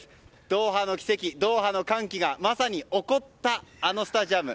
ドーハの奇跡、ドーハの歓喜がまさに起こったあのスタジアム